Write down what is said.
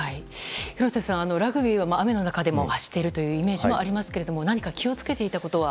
廣瀬さん、ラグビーは雨の中でも走っているというイメージもありますけれども何か気を付けていたことは？